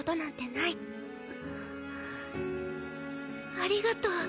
ありがとう。